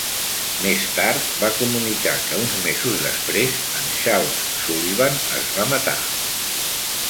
Més tard va comunicar que, uns mesos després, en Charles Sullivan es va matar.